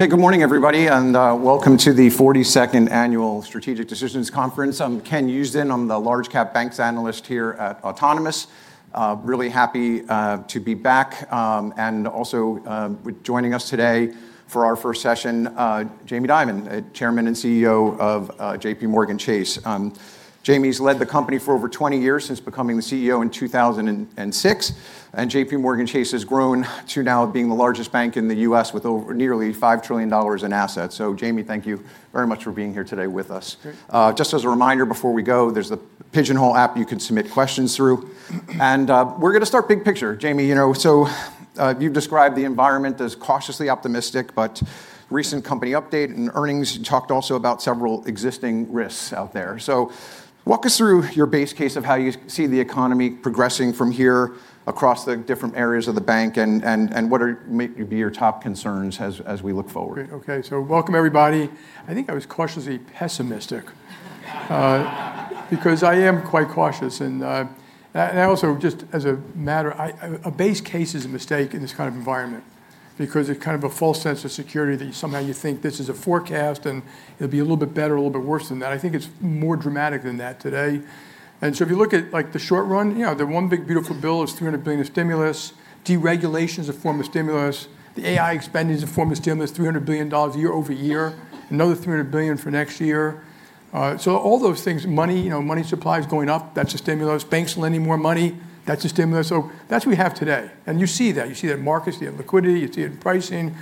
Hey, good morning, everybody, and welcome to the 42nd Annual Strategic Decisions Conference. I'm Ken Usdin. I'm the large cap banks analyst here at Autonomous. Really happy to be back, and also, joining us today for our first session, Jamie Dimon, Chairman and CEO of JPMorgan Chase. Jamie's led the company for over 20 years since becoming the CEO in 2006, and JPMorgan Chase has grown to now being the largest bank in the U.S. with over nearly $5 trillion in assets. Jamie, thank you very much for being here today with us. Great. Just as a reminder before we go, there's the Pigeonhole app you can submit questions through. We're going to start big picture. Jamie, you've described the environment as cautiously optimistic, but recent company update and earnings, you talked also about several existing risks out there. Walk us through your base case of how you see the economy progressing from here across the different areas of the bank, and what might be your top concerns as we look forward? Great. Okay, welcome, everybody. I think I was cautiously pessimistic. I am quite cautious and also, just as a matter, a base case is a mistake in this kind of environment because it's a false sense of security that somehow you think this is a forecast and it'll be a little bit better or a little bit worse than that. I think it's more dramatic than that today. If you look at the short run, the One Big Beautiful Bill is $300 billion of stimulus. Deregulation's a form of stimulus. The AI expenditure's a form of stimulus, $300 billion a year-over-year, another $300 billion for next year. All those things, money supply is going up. That's a stimulus. Banks lending more money, that's a stimulus. That's what we have today, and you see that. You see that in markets, you see it in liquidity, you see it in pricing.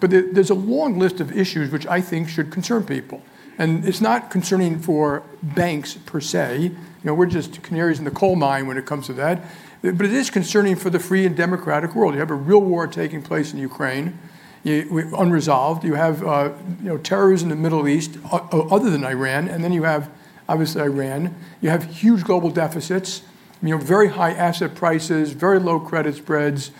There's a long list of issues which I think should concern people, and it's not concerning for banks per se. We're just canaries in the coal mine when it comes to that. It is concerning for the free and democratic world. You have a real war taking place in Ukraine, unresolved. You have terrorism in the Middle East, other than Iran, and then you have, obviously, Iran. You have huge global deficits. You have very high asset prices, very low credit spreads.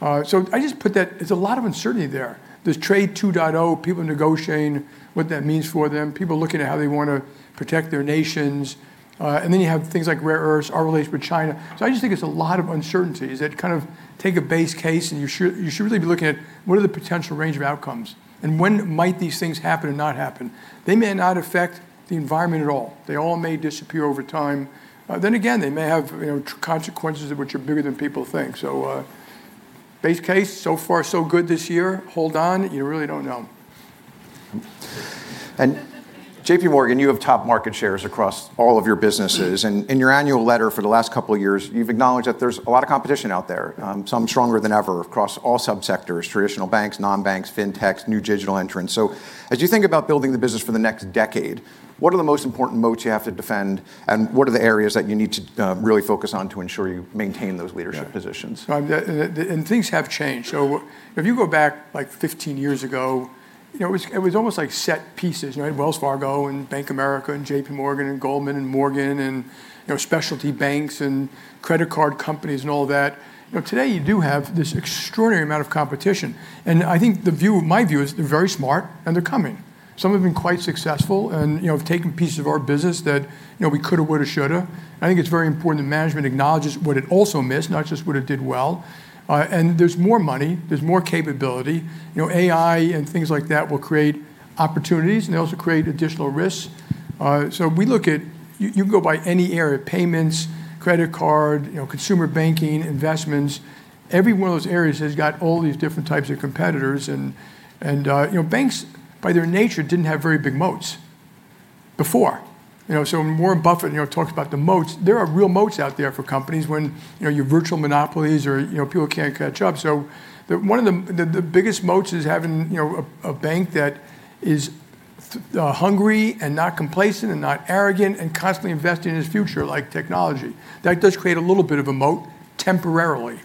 I just put that, there's a lot of uncertainty there. There's Trade 2.0, people negotiating what that means for them. People looking at how they want to protect their nations. You have things like rare earths, our relations with China. I just think it's a lot of uncertainties that take a base case and you should really be looking at what are the potential range of outcomes, and when might these things happen or not happen. They may not affect the environment at all. They all may disappear over time. Again, they may have consequences which are bigger than people think. Base case, so far so good this year. Hold on. You really don't know. JPMorgan, you have top market shares across all of your businesses. In your annual letter for the last couple of years, you've acknowledged that there's a lot of competition out there, some stronger than ever, across all sub-sectors, traditional banks, non-banks, fintechs, new digital entrants. As you think about building the business for the next decade, what are the most important moats you have to defend, and what are the areas that you need to really focus on to ensure you maintain those leadership positions? Yeah. Things have changed. If you go back 15 years ago, it was almost like set pieces. You had Wells Fargo and Bank of America and JPMorgan and Goldman and Morgan and specialty banks and credit card companies and all of that. Today, you do have this extraordinary amount of competition, and I think my view is they're very smart and they're coming. Some have been quite successful and have taken pieces of our business that we could've, would've, should've. I think it's very important that management acknowledges what it also missed, not just what it did well. There's more money, there's more capability. AI and things like that will create opportunities, and they also create additional risks. We look at, you can go by any area, payments, credit card, consumer banking, investments. Every one of those areas has got all these different types of competitors and banks, by their nature, didn't have very big moats before. When Warren Buffett talks about the moats, there are real moats out there for companies when you have virtual monopolies or people can't catch up. One of the biggest moats is having a bank that is hungry and not complacent and not arrogant and constantly investing in its future, like technology. That does create a little bit of a moat temporarily.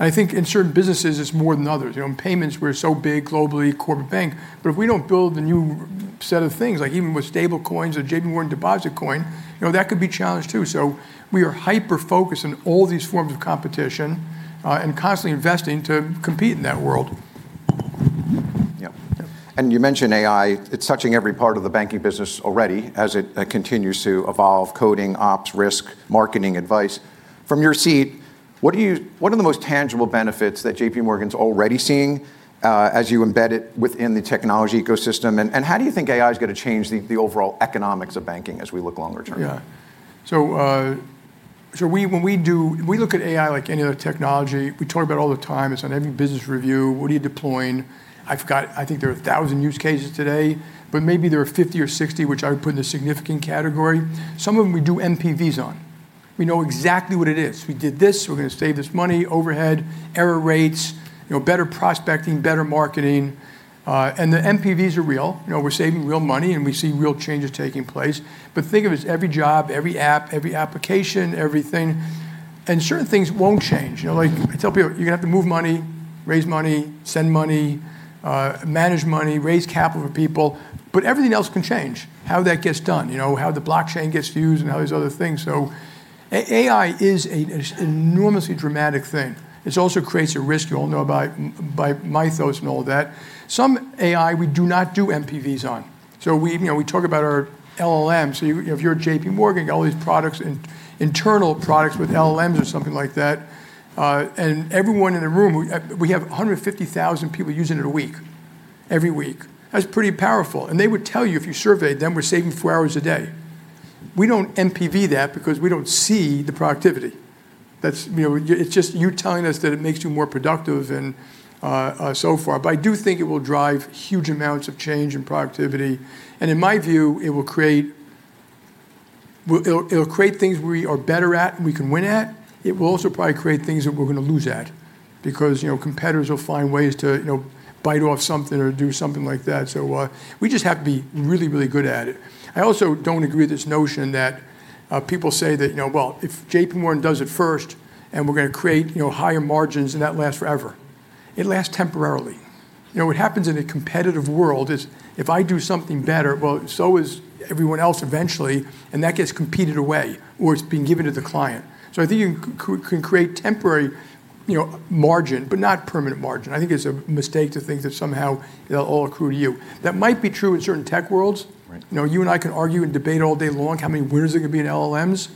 I think in certain businesses, it's more than others. In payments, we're so big globally, corporate bank. If we don't build the new set of things, like even with stable coins or JPMorgan Deposit Coin, that could be a challenge, too. We are hyper-focused on all these forms of competition, and constantly investing to compete in that world. Yeah. You mentioned AI. It's touching every part of the banking business already as it continues to evolve, coding, ops, risk, marketing, advice. From your seat, what are the most tangible benefits that JPMorgan's already seeing as you embed it within the technology ecosystem, and how do you think AI's going to change the overall economics of banking as we look longer term? Yeah. We look at AI like any other technology. We talk about it all the time. It's on every business review. What are you deploying? I forgot, I think there are 1,000 use cases today, but maybe there are 50 or 60 which I would put in the significant category. Some of them we do NPVs on. We know exactly what it is. We did this, we're going to save this money, overhead, error rates, better prospecting, better marketing. The NPVs are real. We're saving real money, and we see real changes taking place. Think of it as every job, every app, every application, everything. Certain things won't change. I tell people, "You're going to have to move money, raise money, send money, manage money, raise capital for people." But everything else can change. How that gets done, how the blockchain gets used and all these other things. AI is an enormously dramatic thing. This also creates a risk. You all know about Mythos and all that. Some AI we do not do NPVs on. We talk about our LLM. If you're JPMorgan, you got all these products and internal products with LLMs or something like that. Everyone in the room, we have 150,000 people using it a week, every week. That's pretty powerful. They would tell you if you surveyed them, "We're saving four hours a day." We don't NPV that because we don't see the productivity. It's just you telling us that it makes you more productive and so far. I do think it will drive huge amounts of change in productivity, and in my view, it'll create things we are better at and we can win at. It will also probably create things that we're going to lose at because competitors will find ways to bite off something or do something like that. We just have to be really, really good at it. I also don't agree with this notion that people say that, "Well, if JPMorgan does it first and we're going to create higher margins and that lasts forever." It lasts temporarily. What happens in a competitive world is if I do something better, well, so is everyone else eventually, and that gets competed away, or it's being given to the client. I think you can create temporary margin, but not permanent margin. I think it's a mistake to think that somehow it'll all accrue to you. That might be true in certain tech worlds. Right. You and I can argue and debate all day long how many winners there are going to be in LLMs.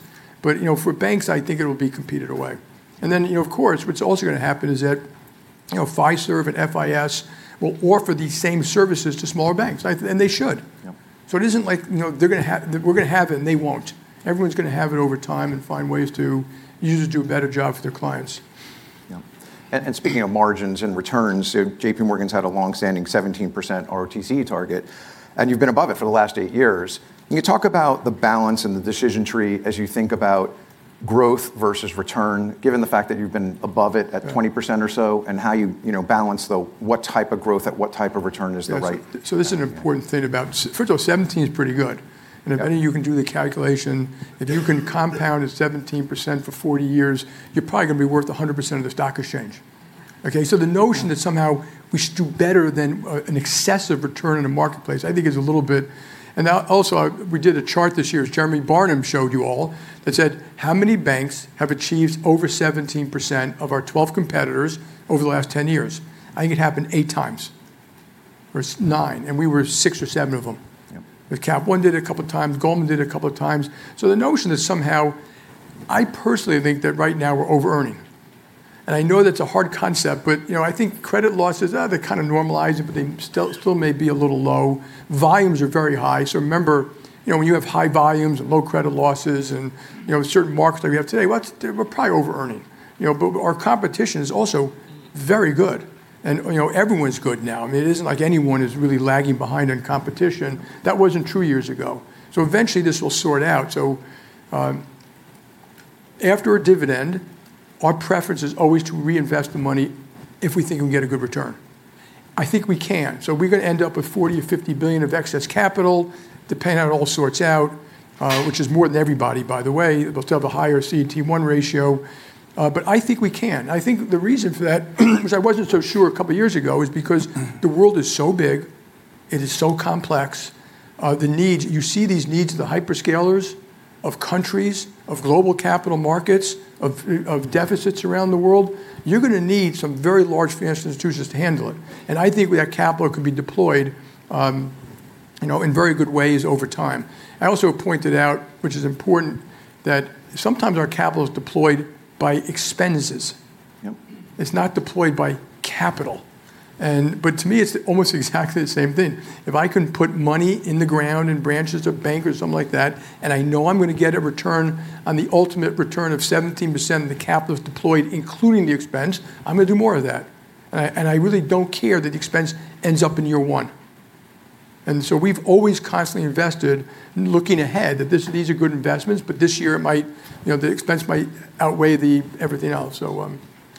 For banks, I think it'll be competed away. Then, of course, what's also going to happen is that Fiserv and FIS will offer these same services to smaller banks, and they should. Yeah. It isn't like we're going to have it, and they won't. Everyone's going to have it over time and find ways to do a better job for their clients. Yeah. Speaking of margins and returns, JPMorgan's had a longstanding 17% ROTCE target. You've been above it for the last eight years. Can you talk about the balance and the decision tree as you think about growth versus return, given the fact that you've been above it at 20% or so, how you balance what type of growth at what type of return? This is an important thing about. First of all, 17 is pretty good. Any of you can do the calculation. If you can compound at 17% for 40 years, you're probably going to be worth 100% of the stock exchange. Okay. The notion that somehow we should do better than an excessive return in the marketplace, I think is a little bit. Also, we did a chart this year, as Jeremy Barnum showed you all, that said how many banks have achieved over 17% of our 12 competitors over the last 10 years. I think it happened eight times or nine, and we were six or seven of them. Yeah. Cap One did it a couple of times. Goldman did it a couple of times. The notion that somehow, I personally think that right now we're overearning. I know that's a hard concept, but I think credit losses, they kind of normalize it, but they still may be a little low. Volumes are very high. Remember, when you have high volumes and low credit losses and certain markets like we have today, we're probably overearning. Our competition is also very good. Everyone's good now. It isn't like anyone is really lagging behind on competition. That wasn't true years ago. Eventually this will sort out. After a dividend, our preference is always to reinvest the money if we think we can get a good return. I think we can. We're going to end up with $40 billion or $50 billion of excess capital, depending on how it all sorts out, which is more than everybody, by the way. They'll still have a higher CET1 ratio, but I think we can. I think the reason for that, which I wasn't so sure a couple of years ago, is because the world is so big, it is so complex. You see these needs of the hyperscalers, of countries, of global capital markets, of deficits around the world. You're going to need some very large financial institutions to handle it. I think that capital could be deployed in very good ways over time. I also pointed out, which is important, that sometimes our capital is deployed by expenses. Yeah. It's not deployed by capital. To me, it's almost exactly the same thing. If I can put money in the ground in branches of bank or something like that, and I know I'm going to get a return on the ultimate return of 17% of the capital is deployed, including the expense, I'm going to do more of that. I really don't care that the expense ends up in year one. We've always constantly invested in looking ahead that these are good investments, but this year, the expense might outweigh everything else.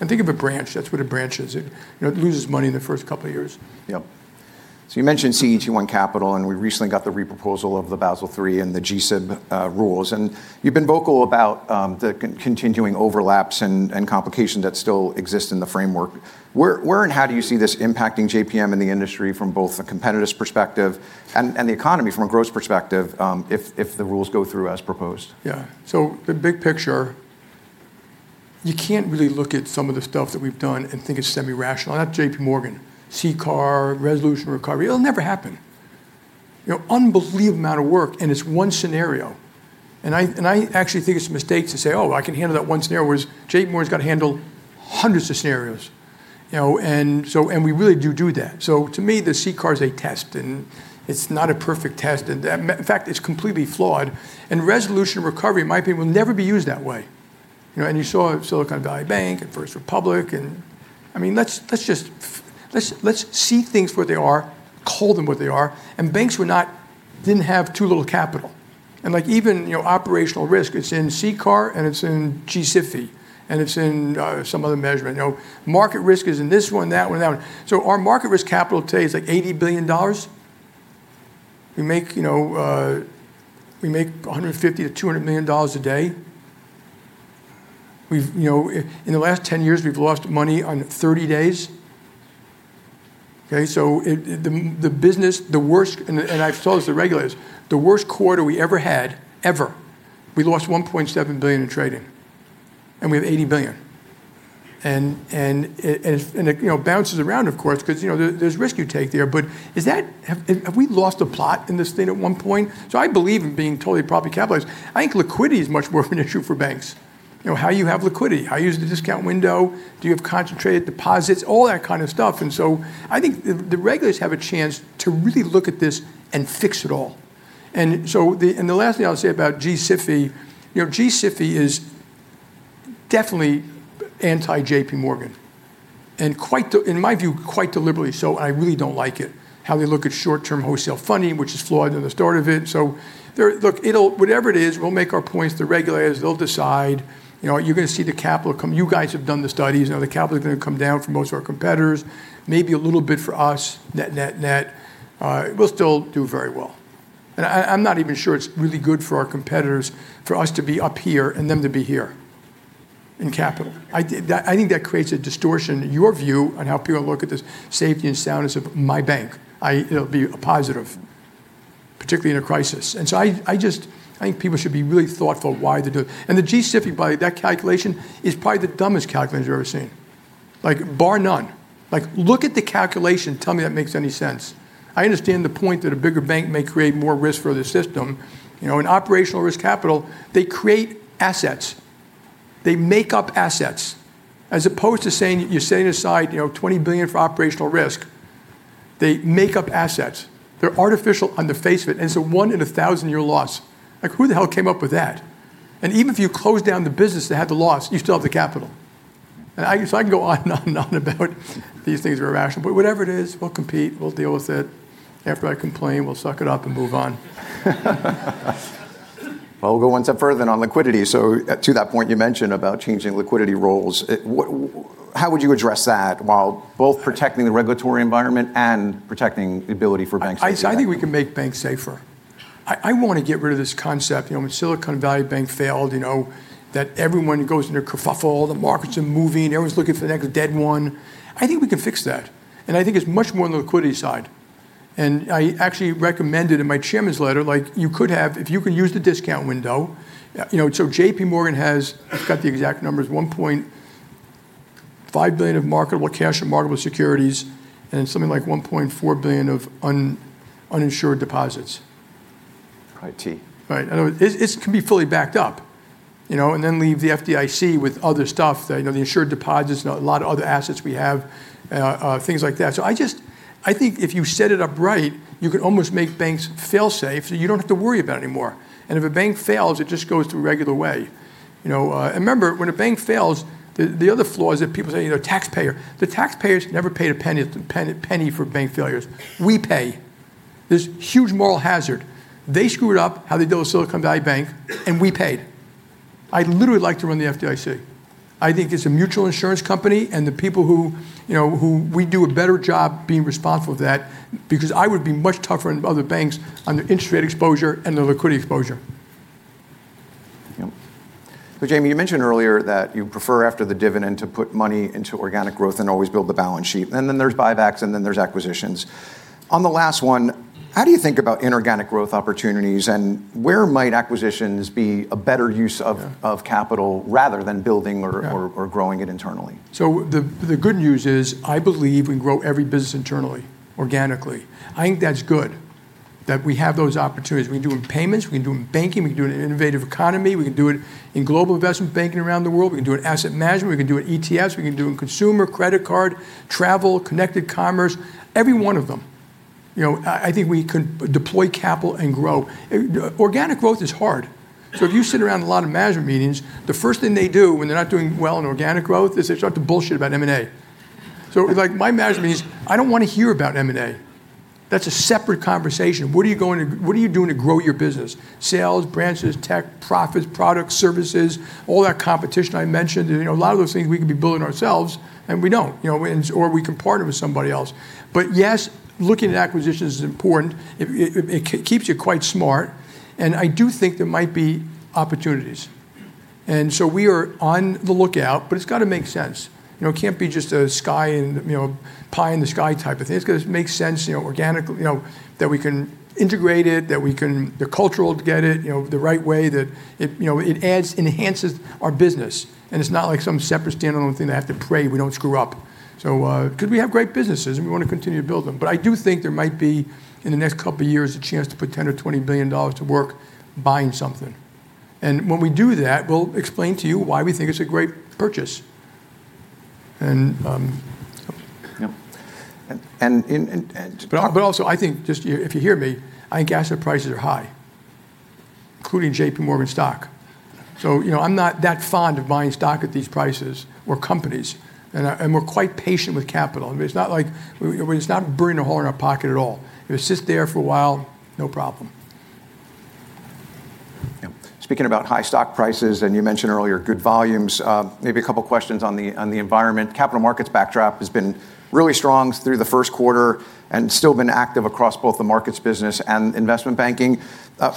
Think of a branch, that's what a branch is. It loses money in the first couple of years. Yeah. You mentioned CET1 capital, and we recently got the re-proposal of the Basel III and the GSIB rules. You've been vocal about the continuing overlaps and complications that still exist in the framework. Where and how do you see this impacting JPM in the industry from both a competitor's perspective and the economy from a growth perspective, if the rules go through as proposed? Yeah. The big picture, you can't really look at some of the stuff that we've done and think it's semi-rational, not JPMorgan, CCAR, resolution, recovery. It'll never happen. Unbelievable amount of work, and it's one scenario. I actually think it's a mistake to say, "Oh, I can handle that one scenario," whereas JPMorgan's got to handle hundreds of scenarios. We really do that. To me, the CCAR is a test, and it's not a perfect test. In fact, it's completely flawed. Resolution recovery, in my opinion, will never be used that way. You saw Silicon Valley Bank and First Republic, and let's see things for what they are, call them what they are, and banks didn't have too little capital. Even operational risk, it's in CCAR, and it's in G-SIFI, and it's in some other measurement. Market risk is in this one, that one. Our market risk capital today is like $80 billion. We make $150 million-$200 million a day. In the last 10 years, we've lost money on 30 days. Okay. I've told this to regulators. The worst quarter we ever had, ever, we lost $1.7 billion in trading, and we have $80 billion. It bounces around of course, because there's risk you take there, but have we lost the plot in this thing at one point. I believe in being totally properly capitalized. I think liquidity is much more of an issue for banks. How you have liquidity, how you use the discount window, do you have concentrated deposits? All that kind of stuff. I think the regulators have a chance to really look at this and fix it all. The last thing I will say about G-SIFI, G-SIFI is definitely anti-JPMorgan, and in my view, quite deliberately so, and I really do not like it, how they look at short-term wholesale funding, which is flawed in the start of it. Look, whatever it is, we will make our points to the regulators. They will decide. You are going to see the capital come. You guys have done the studies. The capital is going to come down for most of our competitors. Maybe a little bit for us, net. We will still do very well. I am not even sure it is really good for our competitors for us to be up here and them to be here in capital. I think that creates a distortion in your view on how people look at the safety and soundness of my bank. It will be a positive, particularly in a crisis. I think people should be really thoughtful why they do it. The G-SIFI, by the way, that calculation is probably the dumbest calculation you've ever seen. Bar none. Look at the calculation and tell me that makes any sense. I understand the point that a bigger bank may create more risk for the system. In operational risk capital, they create assets. They make up assets, as opposed to saying that you're setting aside $20 billion for operational risk. They're artificial on the face of it, and it's a one in 1,000-year loss. Who the hell came up with that? Even if you close down the business that had the loss, you still have the capital. I can go on and on about these things that are irrational. Whatever it is, we'll compete, we'll deal with it. After I complain, we'll suck it up and move on. We'll go one step further then on liquidity. To that point you mentioned about changing liquidity roles, how would you address that while both protecting the regulatory environment and protecting the ability for banks to do that? I think we can make banks safer. I want to get rid of this concept. When Silicon Valley Bank failed, that everyone goes into a kerfuffle, the markets are moving, everyone's looking for the next dead one. I think we can fix that, and I think it's much more on the liquidity side. I actually recommended in my chairman's letter, if you could use the discount window. JPMorgan has, I forgot the exact numbers, $1.5 billion of marketable cash and marketable securities, and something like $1.4 billion of uninsured deposits. IT. Right. It can be fully backed up, leave the FDIC with other stuff, the insured deposits and a lot of other assets we have, things like that. I think if you set it up right, you can almost make banks fail-safe, so you don't have to worry about it anymore. If a bank fails, it just goes through the regular way. Remember, when a bank fails, the other flaw is that people say the taxpayer. The taxpayers never paid a penny for bank failures. We pay. There's huge moral hazard. They screwed up, how they did with Silicon Valley Bank, we paid. I'd literally like to run the FDIC. I think it's a mutual insurance company, and the people who would do a better job being responsible for that, because I would be much tougher on other banks on the interest rate exposure and the liquidity exposure. Yep. Jamie, you mentioned earlier that you prefer after the dividend to put money into organic growth and always build the balance sheet, and then there's buybacks and then there's acquisitions. On the last one, how do you think about inorganic growth opportunities, and where might acquisitions be a better use of capital rather than building or growing it internally? The good news is, I believe we can grow every business internally, organically. I think that's good that we have those opportunities. We can do it in payments, we can do it in banking, we can do it in innovative economy, we can do it in global investment banking around the world, we can do it in asset management, we can do it in ETFs, we can do it in consumer, credit card, travel, connected commerce, every one of them. I think we could deploy capital and grow. Organic growth is hard. If you sit around a lot of management meetings, the first thing they do when they're not doing well in organic growth is they start to bullshit about M&A. My management meetings, I don't want to hear about M&A. That's a separate conversation. What are you doing to grow your business? Sales, branches, tech, profits, products, services, all that competition I mentioned. A lot of those things we could be building ourselves, and we don't. We can partner with somebody else. Yes, looking at acquisitions is important. It keeps you quite smart, and I do think there might be opportunities. We are on the lookout, but it's got to make sense. It can't be just a pie in the sky type of thing. It's got to make sense, that we can integrate it, that the cultural get it the right way, that it enhances our business, and it's not like some separate standalone thing I have to pray we don't screw up. We have great businesses, and we want to continue to build them. I do think there might be, in the next couple of years, a chance to put $10 or $20 billion to work buying something. When we do that, we'll explain to you why we think it's a great purchase. Yep. Also, I think, just if you hear me, I think asset prices are high, including JPMorgan stock. I'm not that fond of buying stock at these prices, or companies. We're quite patient with capital. It's not burning a hole in our pocket at all. It will sit there for a while, no problem. Yep. Speaking about high stock prices, and you mentioned earlier good volumes, maybe a couple of questions on the environment. Capital markets backdrop has been really strong through the first quarter and still been active across both the markets business and investment banking.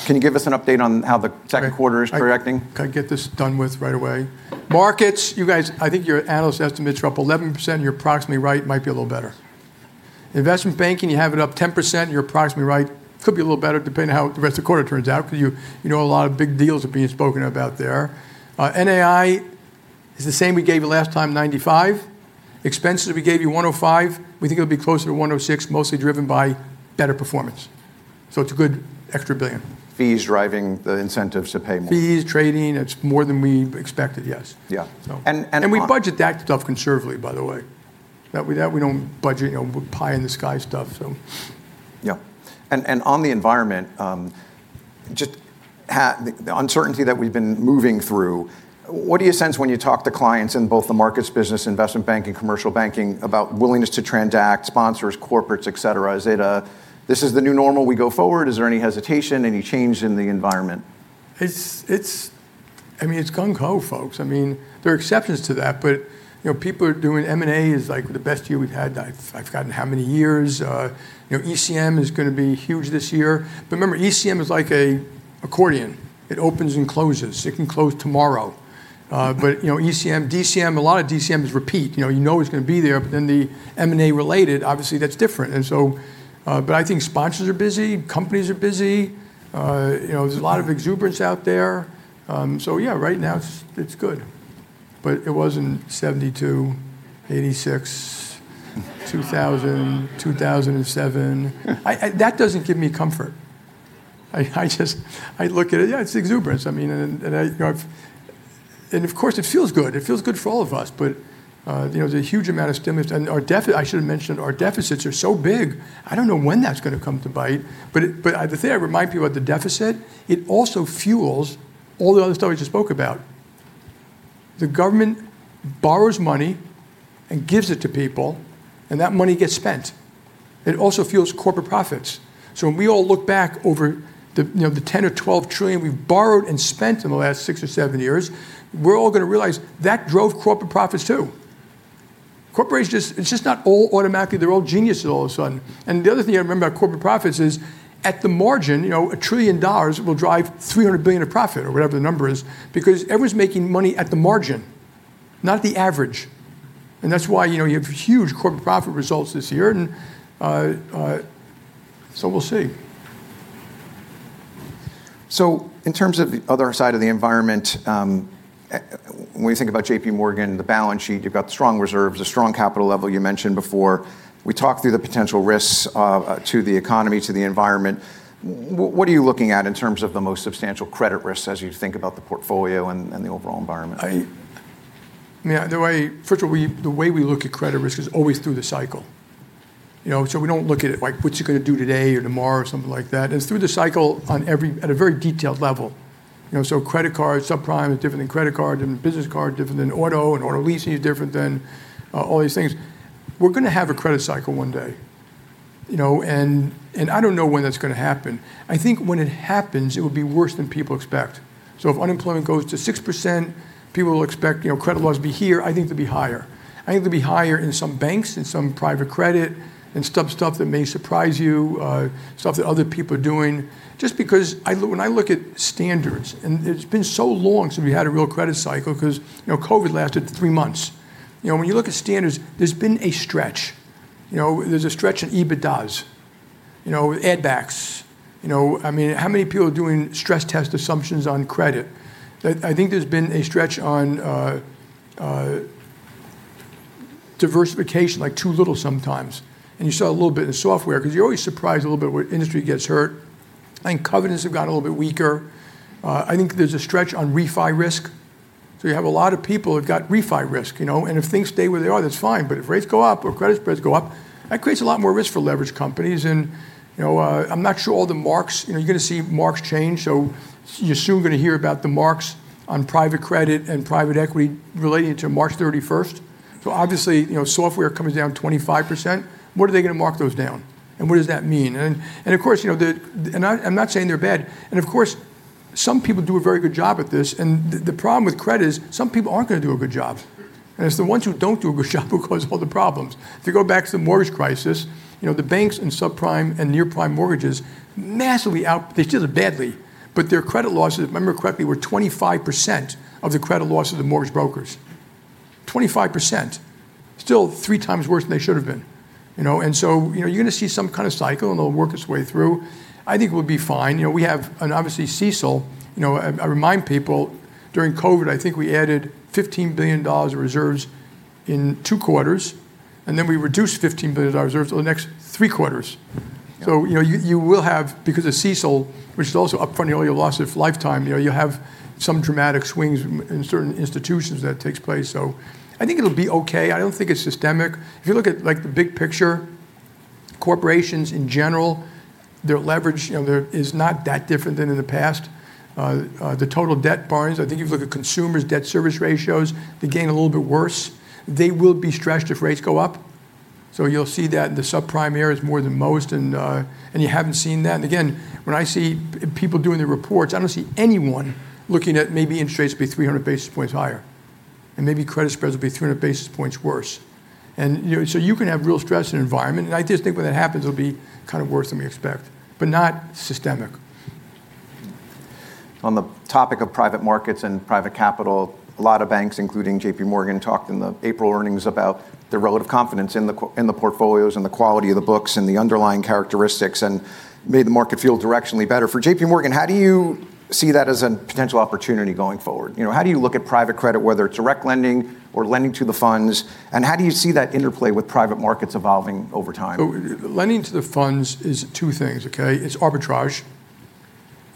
Can you give us an update on how the second quarter is progressing? Can I get this done with right away? Markets, you guys, I think your analyst estimates are up 11%, you're approximately right, might be a little better. Investment banking, you have it up 10%, you're approximately right. Could be a little better depending on how the rest of the quarter turns out for you. A lot of big deals are being spoken about there. NII is the same we gave you last time, $95 billion. Expenses, we gave you $105 billion, we think it'll be closer to $106 billion, mostly driven by better performance, so it's a good extra billion. Fees driving the incentives to pay more. Fees, trading. That's more than we expected. Yes. Yeah. We budget that stuff conservatively, by the way. We don't budget pie in the sky stuff. Yeah. On the environment, just the uncertainty that we've been moving through, what do you sense when you talk to clients in both the markets business, investment banking, commercial banking, about willingness to transact, sponsors, corporates, et cetera? Is it a this is the new normal, we go forward? Is there any hesitation, any change in the environment? It's gung ho, folks. There are exceptions to that, people are doing, M&A is like the best year we've had, I've forgotten how many years. ECM is going to be huge this year. Remember, ECM is like a accordion. It opens and closes. It can close tomorrow. ECM, DCM, a lot of DCM is repeat. You know it's going to be there, the M&A related, obviously that's different. I think sponsors are busy, companies are busy. There's a lot of exuberance out there. Yeah, right now it's good. It wasn't 1972, 1986, 2000, 2007. That doesn't give me comfort. I look at it, yeah, it's exuberance. Of course it feels good. It feels good for all of us. There's a huge amount of stimulus, and I should have mentioned, our deficits are so big, I don't know when that's going to come to bite. The thing I remind people about the deficit, it also fuels all the other stuff we just spoke about. The government borrows money and gives it to people, and that money gets spent. It also fuels corporate profits. When we all look back over the $10 trillion or $12 trillion we've borrowed and spent in the last six or seven years, we're all going to realize that drove corporate profits, too. Corporations, it's just not all automatically they're all geniuses all of a sudden. The other thing I remember about corporate profits is at the margin, $1 trillion will drive $300 billion of profit or whatever the number is, because everyone's making money at the margin, not the average. That's why you have huge corporate profit results this year and so we'll see. In terms of the other side of the environment, when you think about JPMorgan, the balance sheet, you've got the strong reserves, the strong capital level you mentioned before. We talked through the potential risks to the economy, to the environment. What are you looking at in terms of the most substantial credit risks as you think about the portfolio and the overall environment? First of all, the way we look at credit risk is always through the cycle. We don't look at it like what you're going to do today or tomorrow or something like that. It's through the cycle at a very detailed level. Credit cards, subprime is different than credit card, different than business card, different than auto, and auto leasing is different than all these things. We're going to have a credit cycle one day. I don't know when that's going to happen. I think when it happens, it will be worse than people expect. If unemployment goes to 6%, people will expect credit laws be here. I think they'll be higher. I think they'll be higher in some banks, in some private credit, and stuff that may surprise you, stuff that other people are doing. Because when I look at standards, it's been so long since we had a real credit cycle because COVID lasted three months. When you look at standards, there's been a stretch. There's a stretch in EBITDAs, add backs. How many people are doing stress test assumptions on credit? I think there's been a stretch on diversification, like too little sometimes. You saw a little bit in software because you're always surprised a little bit what industry gets hurt. I think covenants have got a little bit weaker. I think there's a stretch on refi risk. You have a lot of people who've got refi risk. If things stay where they are, that's fine. If rates go up or credit spreads go up, that creates a lot more risk for leveraged companies and, I'm not sure all the marks, you're going to see marks change, so you're soon going to hear about the marks on private credit and private equity relating to March 31st. Obviously, software comes down 25%. What are they going to mark those down? What does that mean? I'm not saying they're bad, and of course, some people do a very good job at this. The problem with credit is some people aren't going to do a good job. It's the ones who don't do a good job who cause all the problems. If you go back to the mortgage crisis, the banks and subprime and near-prime mortgages massively out, they did badly, but their credit losses, if I remember correctly, were 25% of the credit loss of the mortgage brokers. 25%. Still three times worse than they should have been. You're going to see some kind of cycle, and it'll work its way through. I think we'll be fine. We have, and obviously CECL, I remind people during COVID, I think we added $15 billion of reserves in two quarters, and then we reduced $15 billion of reserves over the next three quarters. You will have, because of CECL, which is also upfronting all your losses lifetime, you have some dramatic swings in certain institutions that takes place. I think it'll be okay. I don't think it's systemic. If you look at the big picture, corporations in general, their leverage is not that different than in the past. The total debt burdens, I think if you look at consumers' debt service ratios, they gain a little bit worse. They will be stretched if rates go up. You'll see that in the subprime areas more than most. You haven't seen that. Again, when I see people doing their reports, I don't see anyone looking at maybe interest rates will be 300 basis points higher. Maybe credit spreads will be 300 basis points worse. You can have real stress in the environment. I just think when that happens, it'll be kind of worse than we expect, but not systemic. On the topic of private markets and private capital, a lot of banks, including JPMorgan, talked in the April earnings about the relative confidence in the portfolios and the quality of the books and the underlying characteristics, and made the market feel directionally better. For JPMorgan, how do you see that as a potential opportunity going forward? How do you look at private credit, whether it's direct lending or lending to the funds? How do you see that interplay with private markets evolving over time? Lending to the funds is two things, okay? It's arbitrage.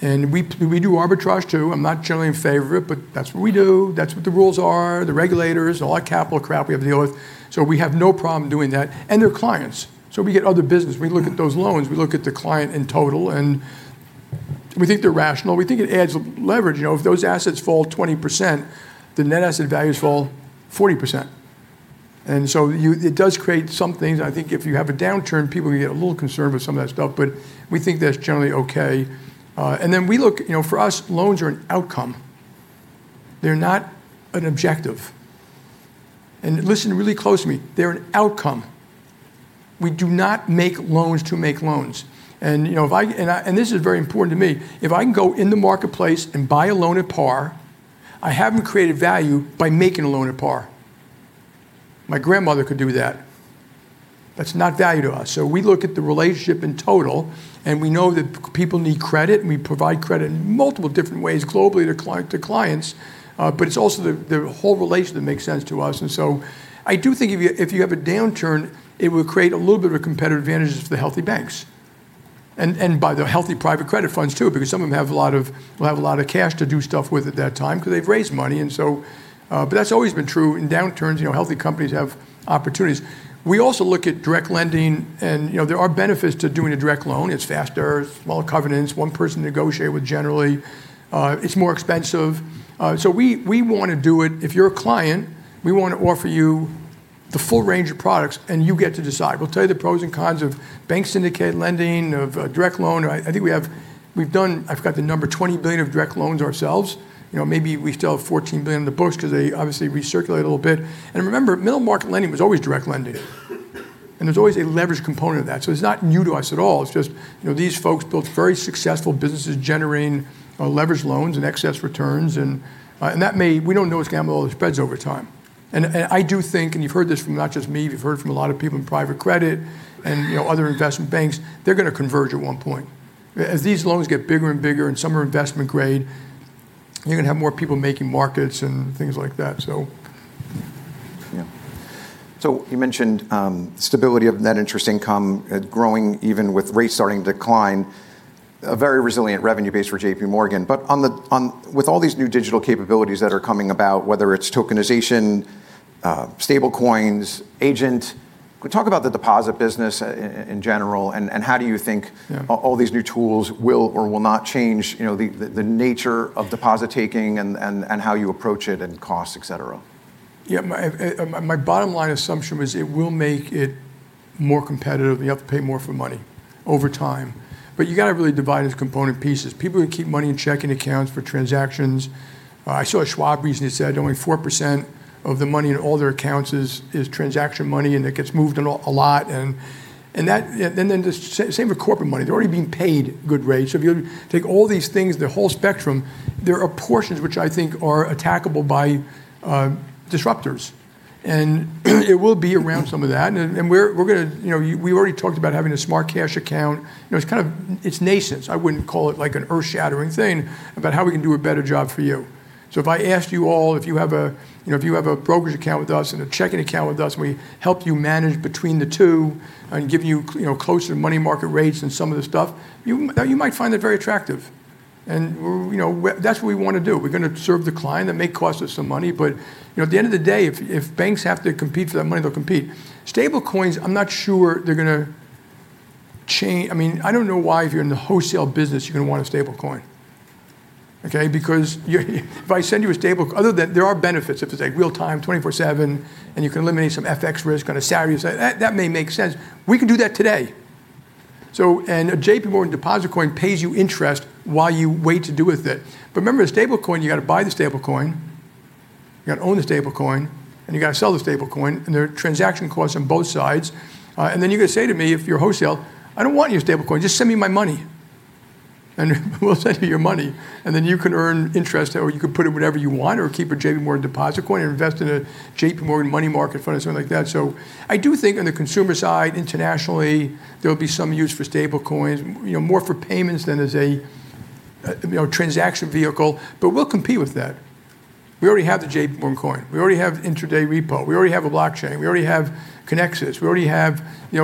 We do arbitrage, too. I'm not generally in favor of it, but that's what we do. That's what the rules are, the regulators, all that capital crap we have to deal with. We have no problem doing that. They're clients, so we get other business. We look at those loans, we look at the client in total, and we think they're rational. We think it adds leverage. If those assets fall 20%, the net asset values fall 40%. It does create some things. I think if you have a downturn, people are going to get a little concerned with some of that stuff, but we think that's generally okay. For us, loans are an outcome. They're not an objective. Listen really close to me. They're an outcome. We do not make loans to make loans. This is very important to me. If I can go in the marketplace and buy a loan at par, I haven't created value by making a loan at par. My grandmother could do that. That's not value to us. We look at the relationship in total, and we know that people need credit, and we provide credit in multiple different ways globally to clients. It's also the whole relationship that makes sense to us. I do think if you have a downturn, it will create a little bit of a competitive advantage for the healthy banks. By the healthy private credit funds, too, because some of them have a lot of cash to do stuff with at that time because they've raised money. That's always been true. In downturns, healthy companies have opportunities. We also look at direct lending. There are benefits to doing a direct loan. It's faster, smaller covenants, one person to negotiate with, generally. It's more expensive. We want to do it. If you're a client, we want to offer you the full range of products. You get to decide. We'll tell you the pros and cons of bank syndicate lending, of a direct loan. I think we've done, I forgot the number, $20 billion of direct loans ourselves. Maybe we still have $14 billion in the books because they obviously recirculate a little bit. Remember, middle market lending was always direct lending. There's always a leverage component of that. It's not new to us at all. It's just these folks built very successful businesses generating leveraged loans and excess returns, and we don't know what's going to happen to all those spreads over time. I do think, and you've heard this from not just me, but you've heard it from a lot of people in private credit and other investment banks, they're going to converge at one point. As these loans get bigger and bigger and some are investment grade, you're going to have more people making markets and things like that. Yeah. You mentioned stability of net interest income growing even with rates starting to decline. A very resilient revenue base for JPMorgan. With all these new digital capabilities that are coming about, whether it's tokenization, stablecoins, agent, talk about the deposit business in general and how do you think all these new tools will or will not change the nature of deposit-taking and how you approach it and costs, et cetera? Yeah. My bottom line assumption was it will make it more competitive, and you have to pay more for money over time. You got to really divide it into component pieces. People are going to keep money in checking accounts for transactions. I saw a Charles Schwab recently that said only 4% of the money in all their accounts is transaction money, and it gets moved a lot. The same with corporate money. They're already being paid good rates. If you take all these things, the whole spectrum, there are portions which I think are attackable by disruptors. It will be around some of that. We already talked about having a smart cash account. It's nascent. I wouldn't call it an earth-shattering thing, but how we can do a better job for you. If I asked you all, if you have a brokerage account with us and a checking account with us, and we help you manage between the two and give you closer money market rates and some of the stuff, you might find that very attractive. That's what we want to do. We're going to serve the client. That may cost us some money, but at the end of the day, if banks have to compete for that money, they'll compete. Stable coins, I'm not sure they're going to change. I don't know why if you're in the wholesale business, you're going to want a stable coin. Okay. If I send you a stable coin, other than there are benefits, if it's like real time, 24/7, and you can eliminate some FX risk on a salary, that may make sense. We can do that today. A JPM Coin pays you interest while you wait to do with it. Remember, a stablecoin, you got to buy the stablecoin, you got to own the stablecoin, and you got to sell the stablecoin, and there are transaction costs on both sides. Then you're going to say to me, if you're wholesale, "I don't want your stablecoin. Just send me my money." We'll send you your money, and then you can earn interest, or you could put it wherever you want, or keep a JPM Coin and invest in a JPMorgan money market fund or something like that. I do think on the consumer side, internationally, there'll be some use for stablecoins, more for payments than as a transaction vehicle. We'll compete with that. We already have the JPM Coin. We already have intraday repo. We already have a blockchain. We already have Kinexys.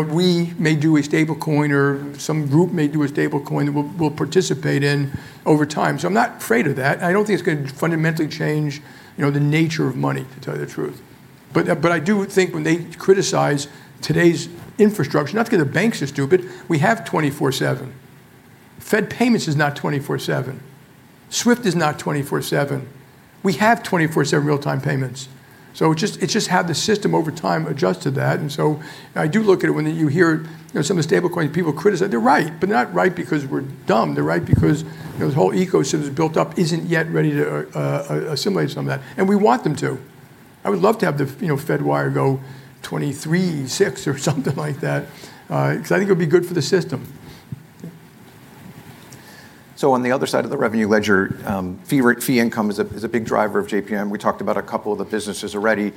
We may do a stable coin, or some group may do a stable coin that we'll participate in over time. I'm not afraid of that. I don't think it's going to fundamentally change the nature of money, to tell you the truth. I do think when they criticize today's infrastructure, not because the banks are stupid, we have 24/7. Fedwire is not 24/7. SWIFT is not 24/7. We have 24/7 real-time payments. It's just how the system over time adjusts to that. I do look at it when you hear some of the stable coin people criticize it. They're right, but not right because we're dumb. They're right because this whole ecosystem that's built up isn't yet ready to assimilate some of that. We want them to. I would love to have the Fedwire go $23.6 or something like that, because I think it would be good for the system. On the other side of the revenue ledger, fee income is a big driver of JPM. We talked about a couple of the businesses already.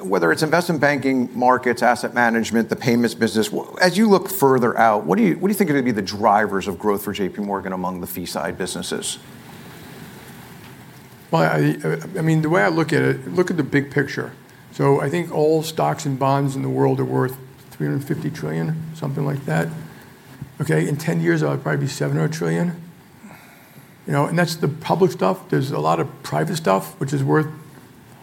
Whether it's investment banking markets, asset management, the payments business, as you look further out, what do you think are going to be the drivers of growth for JPMorgan among the fee side businesses? The way I look at it, look at the big picture. I think all stocks and bonds in the world are worth $350 trillion, something like that. In 10 years it'll probably be $700 trillion. That's the public stuff. There's a lot of private stuff which is worth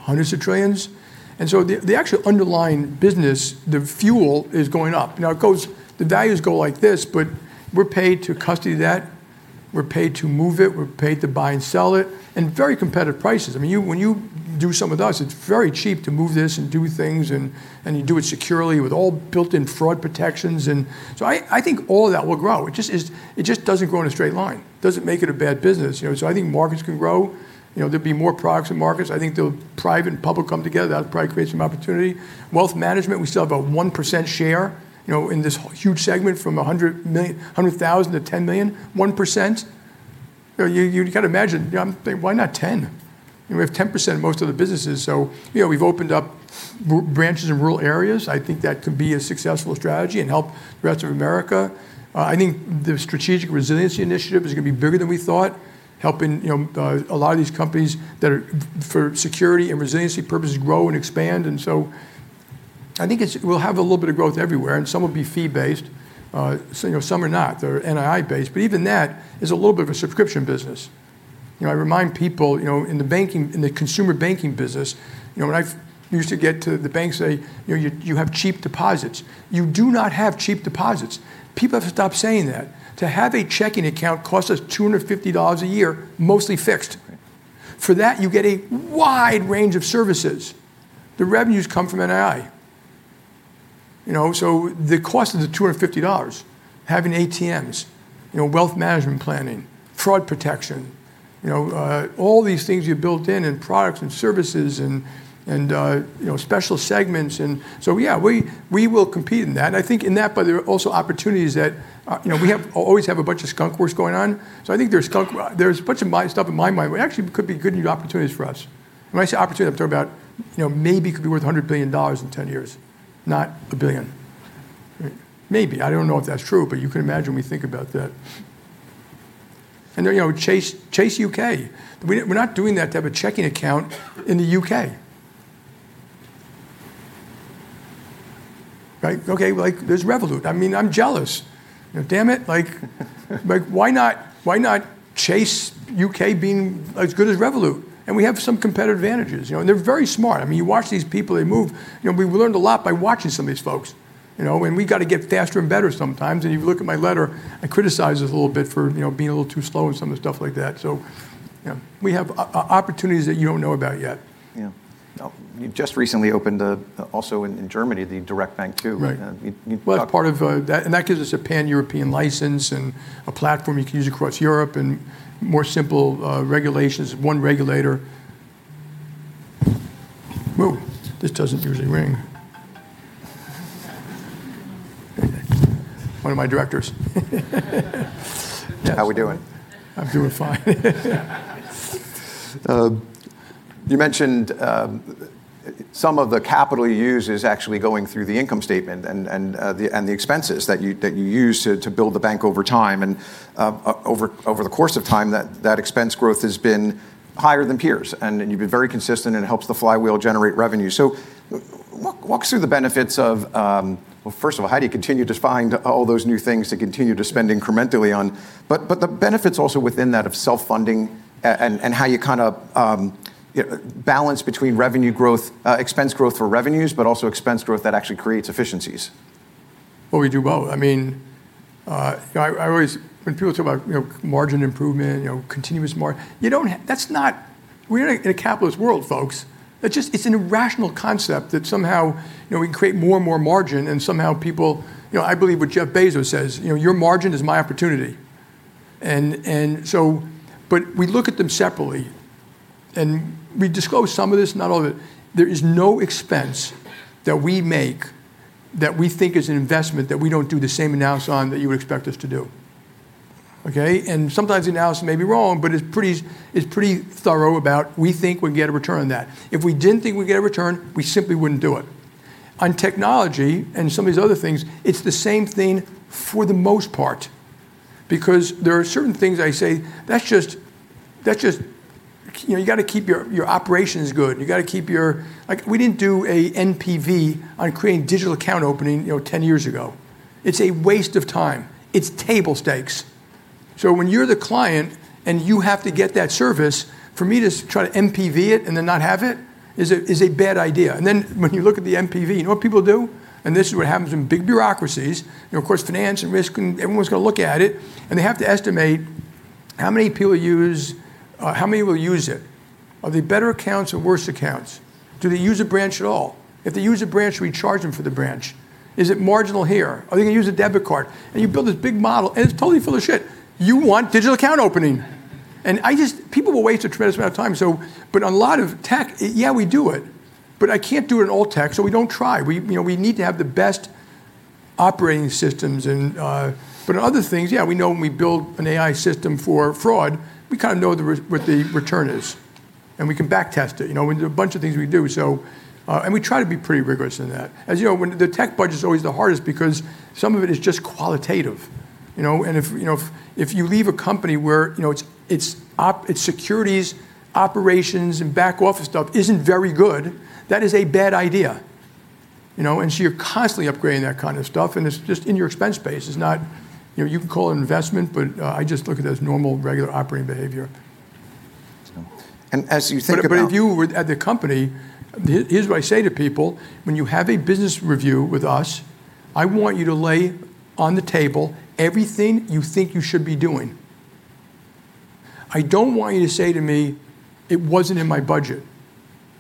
hundreds of trillions. The actual underlying business, the fuel, is going up. Now the values go like this, but we're paid to custody that, we're paid to move it, we're paid to buy and sell it at very competitive prices. When you do something with us, it's very cheap to move this and do things, and you do it securely with all built-in fraud protections. I think all of that will grow. It just doesn't grow in a straight line. It doesn't make it a bad business. I think markets can grow. There'll be more products and markets. I think the private and public come together. That'll probably create some opportunity. Wealth management, we still have a 1% share in this huge segment from $100,000-$10 million. 1%. You got to imagine, why not 10? We have 10% in most of the businesses. We've opened up branches in rural areas. I think that could be a successful strategy and help the rest of America. I think the Security and Resiliency Initiative is going to be bigger than we thought, helping a lot of these companies that are, for security and resiliency purposes, grow and expand. I think we'll have a little bit of growth everywhere, and some will be fee based, some are not. They're NII based. Even that is a little bit of a subscription business. I remind people in the consumer banking business, when I used to get to the bank, say, "You have cheap deposits." You do not have cheap deposits. People have to stop saying that. To have a checking account costs us $250 a year, mostly fixed. Right. For that, you get a wide range of services. The revenues come from NII. The cost is the $250. Having ATMs, wealth management planning, fraud protection, all these things you built in and products and services and special segments and yeah, we will compete in that. I think in that, there are also opportunities that. We always have a bunch of skunk works going on. I think there's a bunch of stuff in my mind what actually could be good new opportunities for us. When I say opportunity, I'm talking about maybe could be worth $100 billion in 10 years, not $1 billion. Maybe. I don't know if that's true, but you can imagine we think about that. Chase UK. We're not doing that to have a checking account in the U.K. Right? Okay, there's Revolut. I'm jealous. Damn it. Why not Chase UK being as good as Revolut? We have some competitive advantages. They're very smart. You watch these people, they move. We learned a lot by watching some of these folks. We got to get faster and better sometimes. You look at my letter, I criticize us a little bit for being a little too slow in some of the stuff like that. We have opportunities that you don't know about yet. Yeah. You just recently opened, also in Germany, the direct bank too. Right. You talked. Well, part of that gives us a pan-European license and a platform you can use across Europe and more simple regulations. One regulator. Oh, this doesn't usually ring. One of my directors. How we doing? I'm doing fine. You mentioned some of the capital you use is actually going through the income statement and the expenses that you use to build the bank over time. Over the course of time, that expense growth has been higher than peers and you've been very consistent, and it helps the flywheel generate revenue. Walk us through the benefits of, well, first of all, how do you continue to find all those new things to continue to spend incrementally on, but the benefits also within that of self-funding and how you kind of balance between expense growth for revenues, but also expense growth that actually creates efficiencies. Well, we do both. When people talk about margin improvement, continuous margin, we are in a capitalist world, folks. It's an irrational concept that somehow we can create more and more margin and somehow people I believe what Jeff Bezos says, your margin is my opportunity. We look at them separately and we disclose some of this, not all of it. There is no expense that we make that we think is an investment, that we don't do the same analysis on that you would expect us to do. Okay? Sometimes the analysis may be wrong, but it's pretty thorough about, we think we can get a return on that. If we didn't think we'd get a return, we simply wouldn't do it. On technology and some of these other things, it's the same thing for the most part, because there are certain things I say, you got to keep your operations good. We didn't do a NPV on creating digital account opening 10 years ago. It's a waste of time. It's table stakes. When you're the client and you have to get that service, for me to try to NPV it and then not have it is a bad idea. When you look at the NPV, you know what people do, and this is what happens in big bureaucracies, of course, finance and risk, and everyone's got to look at it, and they have to estimate how many people use or how many will use it. Are they better accounts or worse accounts? Do they use a branch at all? If they use a branch, we charge them for the branch. Is it marginal here? Are they going to use a debit card? You build this big model, and it's totally full of shit. You want digital account opening. People will waste a tremendous amount of time. A lot of tech, yeah, we do it, but I can't do it in all tech, so we don't try. We need to have the best operating systems and in other things, yeah, we know when we build an AI system for fraud, we know what the return is, and we can back test it. There are a bunch of things we do, and we try to be pretty rigorous in that. As you know, the tech budget's always the hardest because some of it is just qualitative. If you leave a company where its securities, operations, and back office stuff isn't very good, that is a bad idea. You're constantly upgrading that kind of stuff, and it's just in your expense base. You can call it investment, but I just look at it as normal, regular operating behavior. So, and as you think about. If you were at the company, here's what I say to people, when you have a business review with us, I don't want you to say to me, "It wasn't in my budget.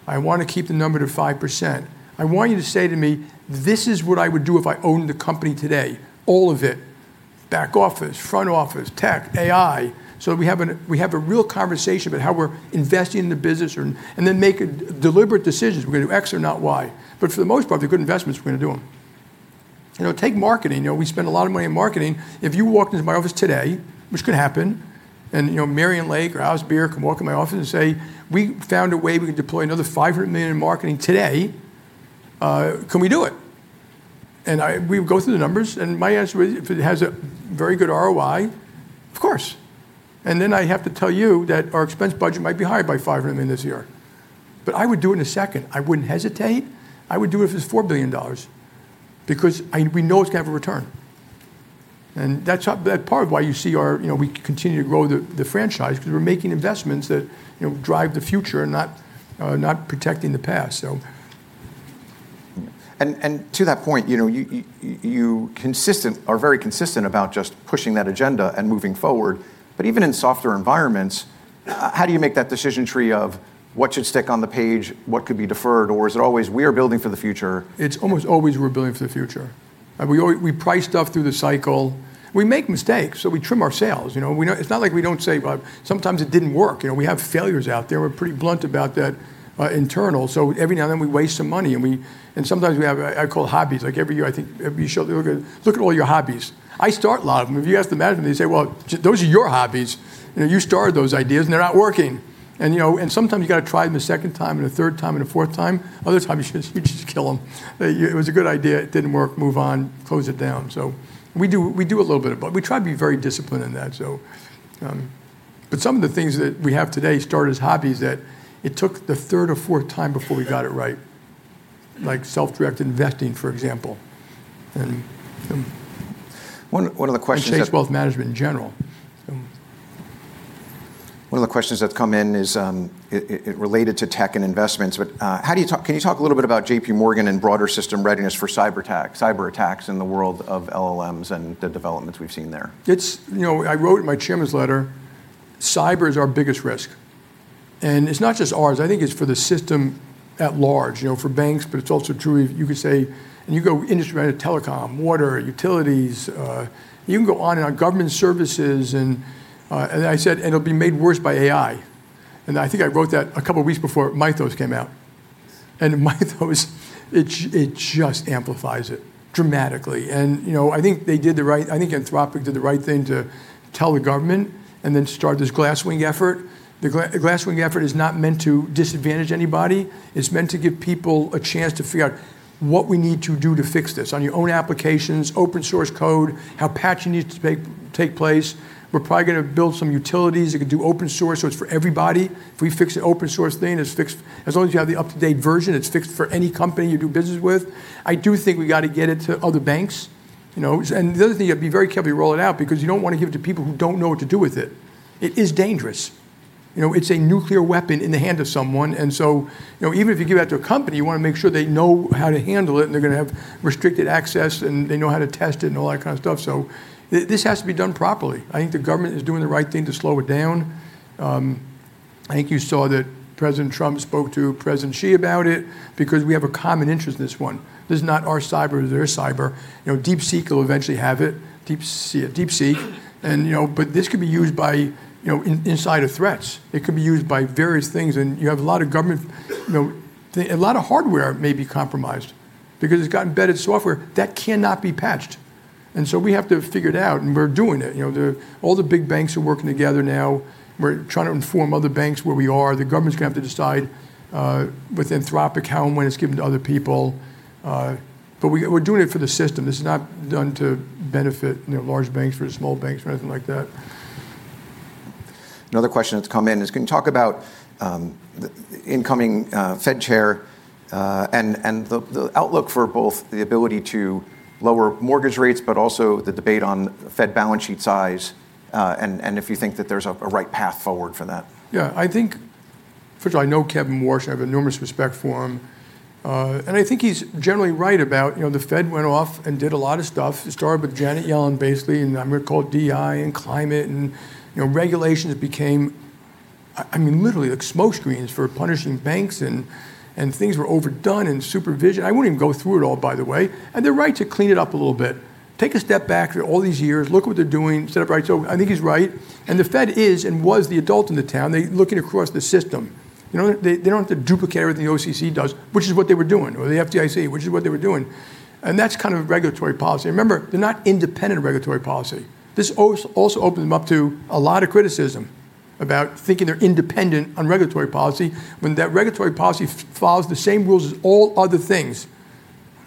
I want to keep the number to 5%." I want you to say to me, "This is what I would do if I owned the company today." All of it. Back office, front office, tech, AI. We have a real conversation about how we're investing in the business, and then make deliberate decisions, we're going to do X or not Y. For the most part, they're good investments, we're going to do them. Take marketing. We spend a lot of money on marketing. If you walked into my office today, which could happen, and Marianne Lake or Allison Beer could walk in my office and say, "We found a way we can deploy another $500 million in marketing today. Can we do it?" We would go through the numbers, and my answer is, if it has a very good ROI, of course. Then I have to tell you that our expense budget might be higher by $500 million this year. I would do it in a second. I wouldn't hesitate. I would do it if it was $4 billion, because we know it's going to have a return. That's part of why you see we continue to grow the franchise, because we're making investments that drive the future and not protecting the past. To that point, you are very consistent about just pushing that agenda and moving forward. Even in softer environments, how do you make that decision tree of what should stick on the page, what could be deferred, or is it always we are building for the future? It's almost always we're building for the future. We price stuff through the cycle. We make mistakes, we trim our sails. It's not like we don't say, sometimes it didn't work. We have failures out there. We're pretty blunt about that internal. Every now and then we waste some money, and sometimes we have, I call, hobbies. Like every year, I think, look at all your hobbies. I start a lot of them. If you ask the management, they say, "Well, those are your hobbies. You started those ideas, and they're not working." Sometimes you got to try them a second time and a third time and a fourth time. Other times, you just kill them. It was a good idea. It didn't work. Move on. Close it down. We do a little bit of both. We try to be very disciplined in that. Some of the things that we have today started as hobbies that it took the third or fourth time before we got it right, like self-directed investing, for example. One of the questions that. Chase Wealth Management in general. One of the questions that's come in is, related to tech and investments, but can you talk a little bit about JPMorgan and broader system readiness for cyber attacks in the world of LLMs and the developments we've seen there? I wrote in my Chairman's letter, cyber is our biggest risk. It's not just ours. I think it's for the system at large, for banks, but it's also true, you could say, and you go industry-wide to telecom, water, utilities, you can go on and on, government services, and as I said, and it'll be made worse by AI. I think I wrote that a couple of weeks before Mythos came out. Mythos it just amplifies it dramatically. I think Anthropic did the right thing to tell the government and then start this Project Glasswing effort. The Project Glasswing effort is not meant to disadvantage anybody. It's meant to give people a chance to figure out what we need to do to fix this on your own applications, open source code, how patching needs to take place. We're probably going to build some utilities that can do open source, so it's for everybody. If we fix an open source thing, as long as you have the up-to-date version, it's fixed for any company you do business with. I do think we got to get it to other banks. The other thing, you have to be very careful you roll it out because you don't want to give it to people who don't know what to do with it. It is dangerous. It's a nuclear weapon in the hand of someone. Even if you give it out to a company, you want to make sure they know how to handle it, and they're going to have restricted access, and they know how to test it and all that kind of stuff. This has to be done properly. I think the government is doing the right thing to slow it down. I think you saw that President Trump spoke to President Xi about it because we have a common interest in this one. This is not our cyber. This is their cyber. DeepSeek will eventually have it. This could be used by insider threats. It could be used by various things, and you have a lot of government. A lot of hardware may be compromised because it's got embedded software. That cannot be patched. We have to figure it out, and we're doing it. All the big banks are working together now. We're trying to inform other banks where we are. The government's going to have to decide with Anthropic how and when it's given to other people. We're doing it for the system. This is not done to benefit large banks versus small banks or anything like that. Another question that's come in is, can you talk about the incoming Fed Chair, and the outlook for both the ability to lower mortgage rates, but also the debate on the Fed balance sheet size, and if you think that there's a right path forward for that? Yeah. I think, first of all, I know Kevin Warsh. I have enormous respect for him. I think he's generally right about the Fed went off and did a lot of stuff. It started with Janet Yellen, basically, and I'm going to call it DEI and climate, and regulations became, I mean, literally, like smoke screens for punishing banks and things were overdone in supervision. I won't even go through it all, by the way. They're right to clean it up a little bit. Take a step back through all these years, look what they're doing, step right. I think he's right, and the Fed is and was the adult in the town. They're looking across the system. They don't have to duplicate everything the OCC does, which is what they were doing, or the FDIC, which is what they were doing. That's kind of regulatory policy. Remember, they're not independent regulatory policy. This also opens them up to a lot of criticism about thinking they're independent on regulatory policy when that regulatory policy follows the same rules as all other things,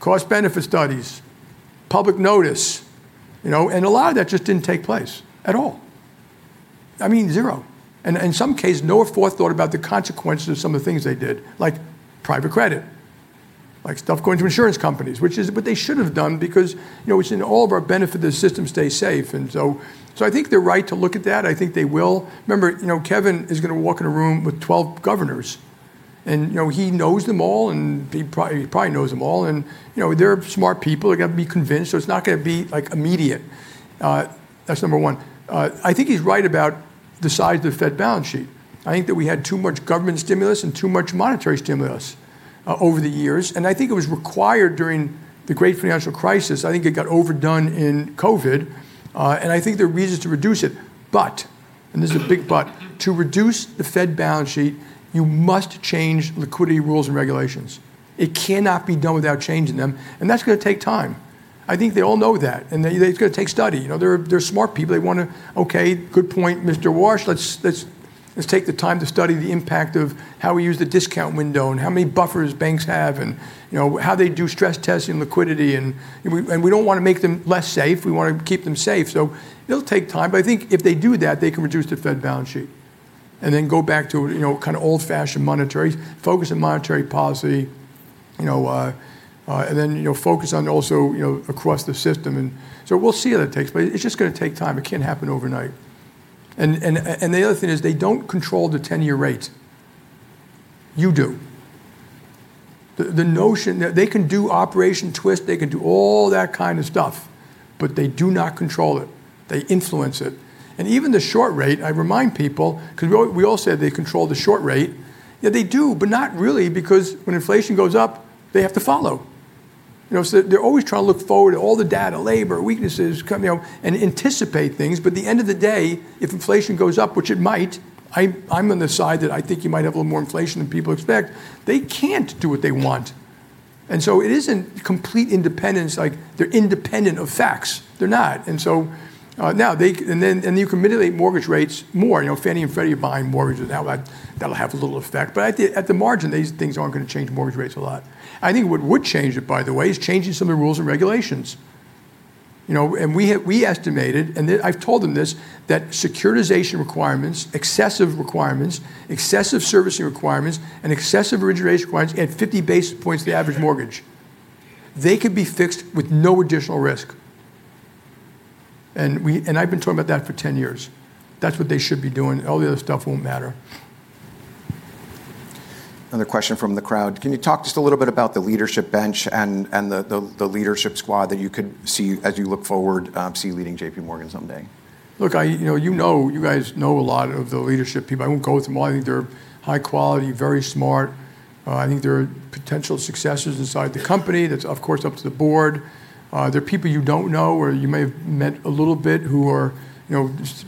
cost-benefit studies, public notice. A lot of that just didn't take place at all. I mean, zero. In some cases, no forethought about the consequences of some of the things they did, like private credit, like stuff going to insurance companies, which is what they should have done because it's in all of our benefit the system stays safe. So, I think they're right to look at that. I think they will. Remember, Kevin is going to walk in a room with 12 governors, and he knows them all, and he probably knows them all. They're smart people, they're going to be convinced, so it's not going to be immediate. That's number one. I think he's right about the size of the Fed balance sheet. I think that we had too much government stimulus and too much monetary stimulus over the years, and I think it was required during the Great Financial Crisis. I think it got overdone in COVID, and I think there are reasons to reduce it. This is a big but, to reduce the Fed balance sheet, you must change liquidity rules and regulations. It cannot be done without changing them, and that's going to take time. I think they all know that, and it's going to take study. They're smart people. They want to, "Okay, good point, Mr. Warsh. Let's take the time to study the impact of how we use the discount window and how many buffers banks have, and how they do stress testing liquidity. We don't want to make them less safe. We want to keep them safe. It'll take time, but I think if they do that, they can reduce the Fed balance sheet and then go back to old-fashioned monetary, focus on monetary policy, and then focus on also across the system. We'll see how that takes, but it's just going to take time. It can't happen overnight. The other thing is they don't control the 10-year rates. You do. The notion that they can do operation twist, they can do all that kind of stuff, but they do not control it. They influence it. Even the short rate, I remind people, because we all say they control the short rate. Yeah, they do, but not really, because when inflation goes up, they have to follow. They're always trying to look forward at all the data, labor, weaknesses, and anticipate things. At the end of the day, if inflation goes up, which it might, I'm on the side that I think you might have a little more inflation than people expect. They can't do what they want. It isn't complete independence like they're independent of facts. They're not. You can mitigate mortgage rates more. Fannie and Freddie are buying mortgages. Now, that'll have a little effect. At the margin, these things aren't going to change mortgage rates a lot. I think what would change it, by the way, is changing some of the rules and regulations. We estimated, and I've told them this, that securitization requirements, excessive requirements, excessive servicing requirements, and excessive origination requirements add 50 basis points to the average mortgage. They could be fixed with no additional risk. I've been talking about that for 10 years. That's what they should be doing. All the other stuff won't matter. Another question from the crowd. Can you talk just a little bit about the leadership bench and the leadership squad that you could see as you look forward, see leading JPMorgan someday? Look, you guys know a lot of the leadership people. I won't go through them all. I think they're high quality, very smart. I think there are potential successors inside the company. That's, of course, up to the board. There are people you don't know or you may have met a little bit who are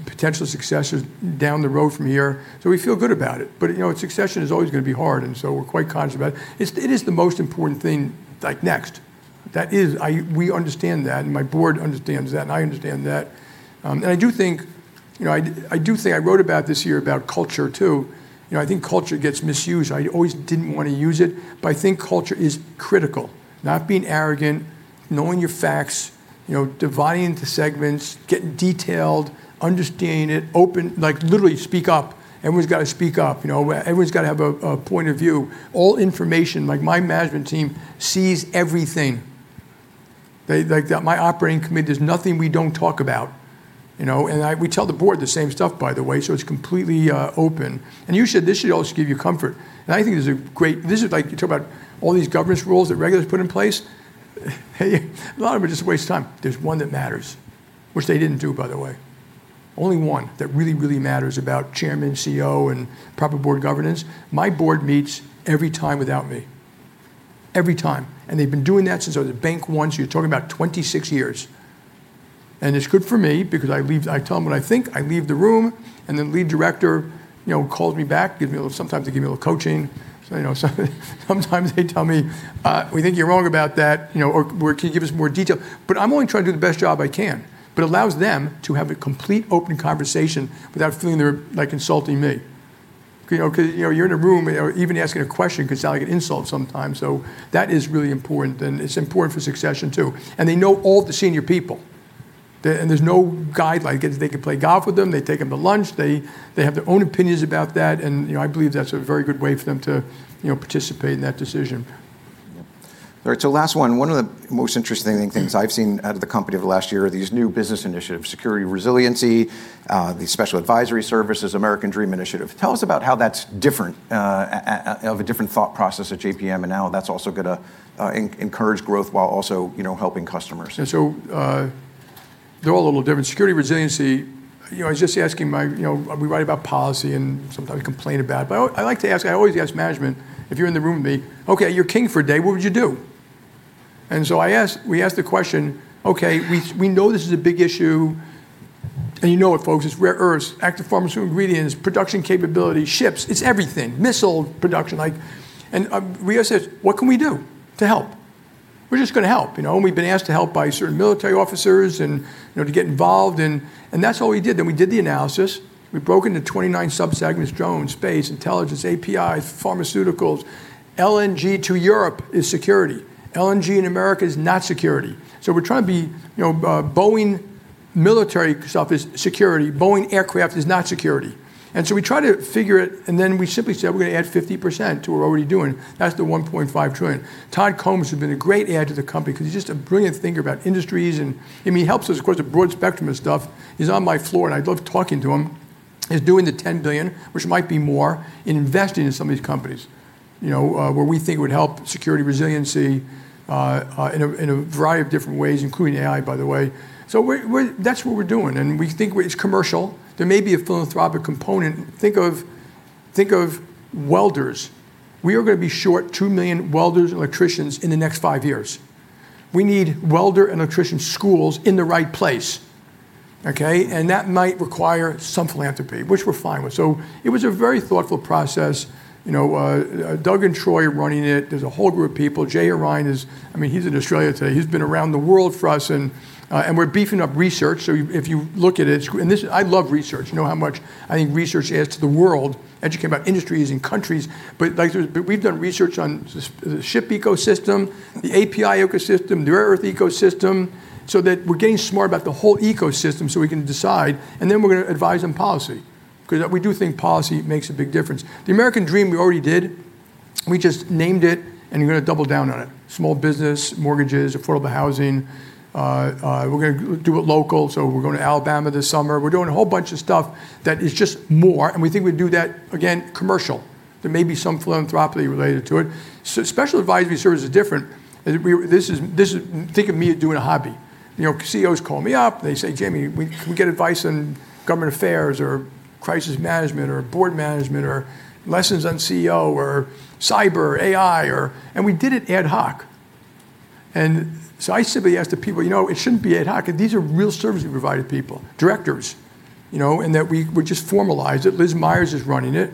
potential successors down the road from here. We feel good about it. Succession is always going to be hard, we're quite conscious about it. It is the most important thing, like next. We understand that, and my board understands that, and I understand that. I do think I wrote about this here about culture, too. I think culture gets misused. I always didn't want to use it, but I think culture is critical. Not being arrogant, knowing your facts, dividing into segments, getting detailed, understanding it, open, literally speak up. Everyone's got to speak up. Everyone's got to have a point of view. All information, like my management team sees everything. My operating committee, there's nothing we don't talk about. We tell the board the same stuff, by the way, so it's completely open. You said this should also give you comfort. I think this is a great. You talk about all these governance rules that regulators put in place. A lot of it is a waste of time. There's one that matters, which they didn't do, by the way. Only one that really matters about chairman, CEO, and proper board governance. My board meets every time without me. Every time. They've been doing that since I was at Bank One, so you're talking about 26 years. It's good for me because I tell them what I think, I leave the room, and then lead director calls me back, sometimes they give me a little coaching. Sometimes they tell me, "We think you're wrong about that," or, "Can you give us more detail?" I'm only trying to do the best job I can. Allows them to have a complete open conversation without feeling they're insulting me. Because you're in a room, even asking a question can sound like an insult sometimes. That is really important, and it's important for succession, too. They know all the senior people. There's no guideline. They could play golf with them. They take them to lunch. They have their own opinions about that, and I believe that's a very good way for them to participate in that decision. Yeah. All right, last one. One of the most interesting things I've seen out of the company over the last year are these new business initiatives, Security Resiliency, the special advisory services, American Dream Initiative. Tell us about how that's different, of a different thought process at JPM, and how that's also going to encourage growth while also helping customers. They're all a little different. Security Resiliency, I was just asking We write about policy and sometimes we complain about it, but I like to ask, I always ask management, if you're in the room with me, "Okay, you're king for a day, what would you do?" We asked the question, okay, we know this is a big issue, and you know it, folks. It's rare earths, active pharmaceutical ingredients, production capability, ships, it's everything. Missile production. We asked this, "What can we do to help?" We're just going to help. We've been asked to help by certain military officers and to get involved, and that's what we did. We did the analysis. We broke into 29 sub-segments, drone, space, intelligence, APIs, pharmaceuticals. LNG to Europe is security. LNG in America is not security. We're trying to Boeing military stuff is security. Boeing aircraft is not security. We try to figure it, then we simply said we're going to add 50% to what we're already doing. That's the $1.5 trillion. Todd Combs has been a great add to the company because he's just a brilliant thinker about industries, and he helps us, of course, a broad spectrum of stuff. He's on my floor, and I love talking to him. He's doing the $10 billion, which might be more, in investing in some of these companies. Where we think it would help security resiliency, in a variety of different ways, including AI, by the way. That's what we're doing, and we think it's commercial. There may be a philanthropic component. Think of welders. We are going to be short 2 million welders and electricians in the next five years. We need welder and electrician schools in the right place, okay? That might require some philanthropy, which we're fine with. It was a very thoughtful process. Doug and Troy are running it. There's a whole group of people. Jay Ryan is in Australia today. He's been around the world for us, and we're beefing up research. If you look at it, I love research. You know how much I think research adds to the world, educating about industries and countries. We've done research on the ship ecosystem, the API ecosystem, the rare earth ecosystem, so that we're getting smart about the whole ecosystem so we can decide, and then we're going to advise on policy. We do think policy makes a big difference. The American Dream we already did. We just named it, and we're going to double down on it. Small business, mortgages, affordable housing. We're going to do it local, so we're going to Alabama this summer. We're doing a whole bunch of stuff that is just more, and we think we can do that, again, commercial. There may be some philanthropy related to it. Special advisory service is different. Think of me doing a hobby. CEOs call me up, they say, "Jamie, can we get advice on government affairs or crisis management or board management or lessons on CEO or cyber, AI or" We did it ad hoc. I simply asked the people, "It shouldn't be ad hoc." These are real service we provide people, directors, and that we just formalize it. Liz Myers is running it.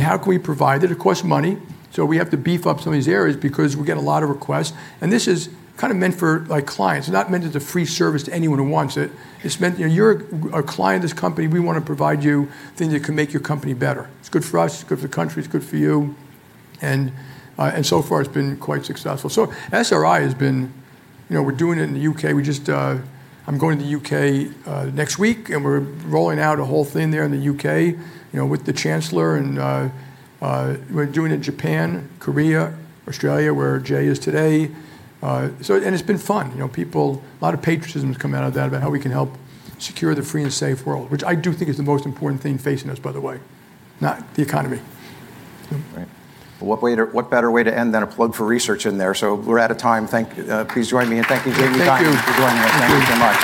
How can we provide it? It costs money, so we have to beef up some of these areas because we get a lot of requests. This is kind of meant for clients. It's not meant as a free service to anyone who wants it. It's meant, you're a client of this company, we want to provide you things that can make your company better. It's good for us, it's good for the country, it's good for you. So far, it's been quite successful. SRI, we're doing it in the U.K. I'm going to the U.K. next week, and we're rolling out a whole thing there in the U.K., with the Chancellor. We're doing it in Japan, Korea, Australia, where Jay is today. It's been fun. A lot of patriotism has come out of that about how we can help secure the free and safe world, which I do think is the most important thing facing us, by the way, not the economy. Right. What better way to end than a plug for research in there? We're out of time. Please join me in thanking Jamie Dimon. Thank you. For joining us. Thank you so much.